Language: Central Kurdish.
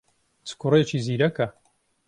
چ کوڕێکی زیرەکە!